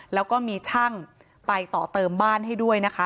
แล้วก็มีช่างไปต่อเติมบ้านให้ด้วยนะคะ